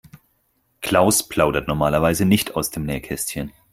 Klaus plaudert normalerweise nicht aus dem Nähkästchen.